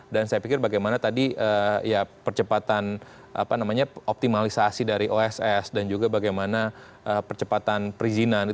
dan saya pikir bagaimana tadi ya percepatan optimalisasi dari oss dan juga bagaimana percepatan perizinan